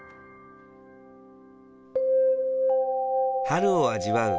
春を味わう